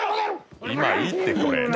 今いいってこれ。